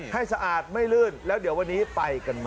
สะอาดไม่ลื่นแล้วเดี๋ยววันนี้ไปกันใหม่